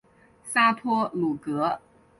沙托鲁格。